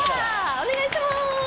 お願いします。